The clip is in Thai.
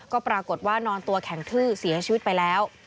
ก็ปรากฏว่านอนตัวแข็งทื้อเสียชีวิตไปแล้ว